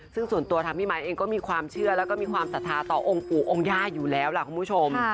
ซึ่งส่วนตัวทางพี่ไมค์เองก็มีความเชื่อแล้วก็มีความศรัทธาต่อองค์ปู่องค์ย่าอยู่แล้วล่ะคุณผู้ชม